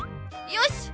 よし！